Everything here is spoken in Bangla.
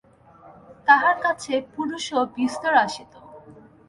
তাঁহার কাছে পুরুষও বিস্তর আসিত।